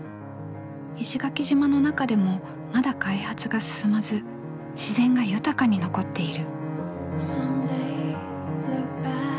石垣島の中でもまだ開発が進まず自然が豊かに残っている。